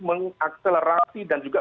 mengakselerasi dan juga